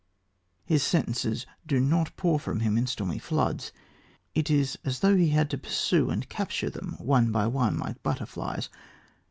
His sentences do not pour from him in stormy floods. It is as though he had to pursue and capture them one by one, like butterflies.